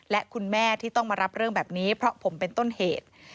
และคุณแม่ที่ต้องมารับเรื่องแบบนี้เพราะผมเป็นต้นเหตุ